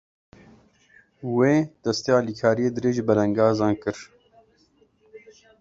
Wê, destê alîkariyê dirêjî belengazan kir.